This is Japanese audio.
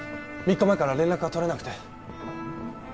３日前から連絡が取れなくて。